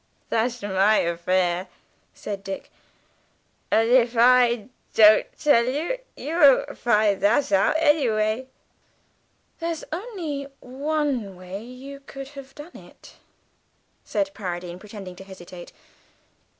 "That'sh my affair," said Dick. "An' if I don' tell you you won' find that out anyway!" "There's only one way you could have done it," said Paradine, pretending to hesitate.